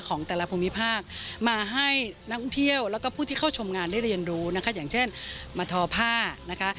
ของแต่ละภูมิภาคมาให้นักท่องเที่ยวแล้วก็ผู้ที่เข้าชมงานได้เรียนรู้นะคะอย่างเช่นมาทอผ้านะคะ